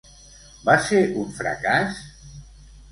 Va ser un fracàs?